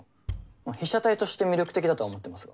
まあ被写体として魅力的だとは思ってますが。